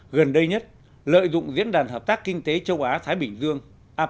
gần đây nhất lợi dụng diễn đàn hợp tác kinh tế châu á thái bình dương